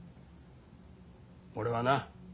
俺はな